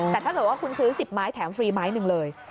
แต่ถ้าเกิดว่าคุณซื้อ๑๐ไม้แถมฟรีไม้หนึ่งเลย